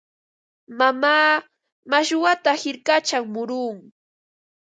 Mamaa mashwata hirkachaw murun.